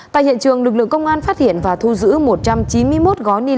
tại hiện trường lực lượng công an phát hiện và thu giữ một trăm chín mươi một gói ni lông